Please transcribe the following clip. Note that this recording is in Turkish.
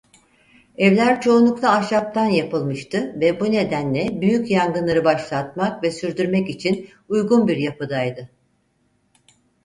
Evler çoğunlukla ahşaptan yapılmıştı ve bu nedenle büyük yangınları başlatmak ve sürdürmek için uygun bir yapıdaydı.